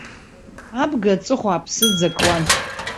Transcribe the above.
Абга аҵыхәа аԥсыӡ акуан.